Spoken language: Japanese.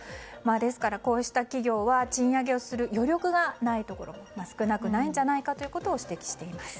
ですから、こうした企業は賃上げをする余力がないところも少なくないんじゃないかということを指摘していました。